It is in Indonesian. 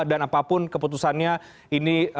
dan apapun keputusannya ini